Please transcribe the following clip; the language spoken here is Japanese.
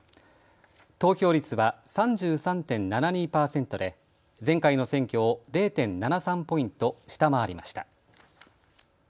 投票率は３３．７２％で前回の選挙を０．７３ポイント下回りました。